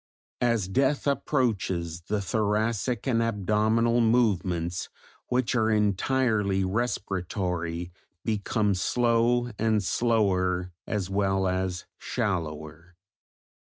As death approaches the thoracic and abdominal movements which are entirely respiratory become slow and slower as well as shallower.